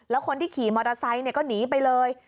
แล้วคนที่ขี่มอเตอร์ไซค์ก็หนีไปเลย